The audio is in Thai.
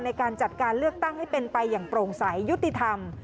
ในการจัดการเลือกตั้งให้เป็นไปอย่างโปร่งใสยุติธรรม